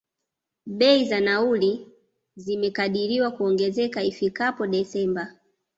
Bei za nauli, zimekadiriwa kuongezeka ifikapo December.